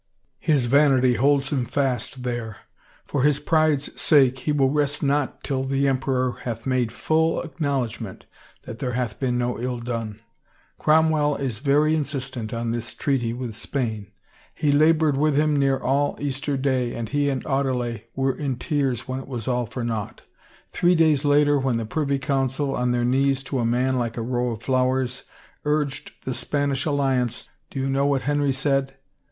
His vanity holds him fast there. For his pride's sake he will rest not till the em peror hath made full acknowledgment that there hath been no ill done. Cromwell is very insistent on this treaty with Spain. He labored with him near all Easter day and he and Audeley were in tears when it was all for naught. Three days later when the Privy G)uncil, on their knees to a man like a row of flowers, urged the Spanish alliance, do you know what Henry said